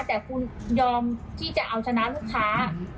แต่คุณยอมที่จะเอาชนะลูกค้า